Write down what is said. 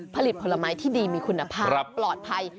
ผลไม้ที่ดีมีคุณภาพปลอดภัย